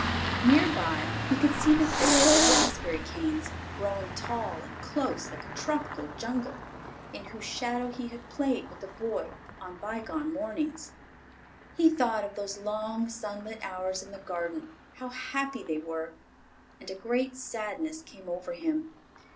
Near by he could see the thicket of raspberry canes, growing tall and close like a tropical jungle, in whose shadow he had played with the Boy on bygone mornings. He thought of those long sunlit hours in the garden how happy they were and a great sadness came over him.